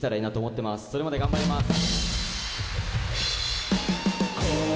それまで頑張ります。